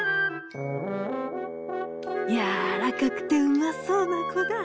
「やわらかくてうまそうなこだ。